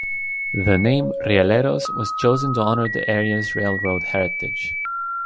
The name Rieleros was chosen to honor the area's railroad heritage.